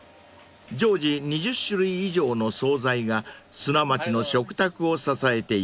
［常時２０種類以上の総菜が砂町の食卓を支えています］